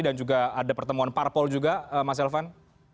dan juga ada pertemuan parpol juga mas elvan